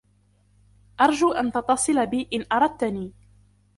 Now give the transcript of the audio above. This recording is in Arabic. أرجو أن تتصل بي إن أردتني.